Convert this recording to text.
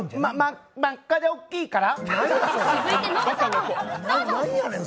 真っ赤で大きいから？